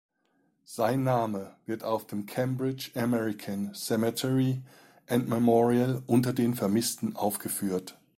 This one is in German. Sein Name wird auf dem Cambridge American Cemetery and Memorial unter den Vermissten aufgeführt.